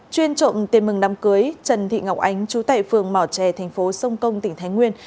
chuyên trộm tiền mừng đám cưới trần thị ngọc ánh chú tại phường mỏ trè thành phố sông công tỉnh thái nguyên